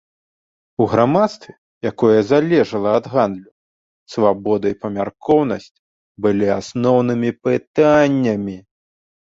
У грамадстве, якое залежала ад гандлю, свабода і памяркоўнасць былі асноўнымі пытаннямі.